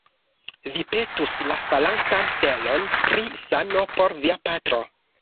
Vi petus la falantan stelon pri sano por via patro.